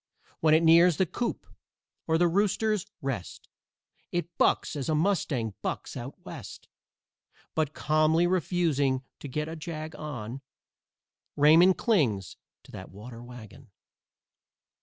When it nears The Coop or The Rooters' Rest It bucks as a mustang bucks out West. But, calmly refusing to get a jag on, Raymond clings to that water wagon.